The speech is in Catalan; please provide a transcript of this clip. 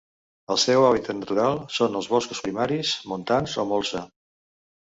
El seu hàbitat natural són els boscos primaris montans o molsa.